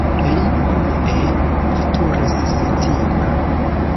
Li plue veturis, sentima.